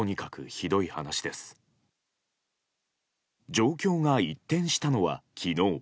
状況が一転したのは昨日。